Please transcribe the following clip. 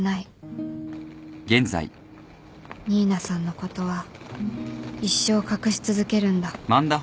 新名さんのことは一生隠し続けるんだ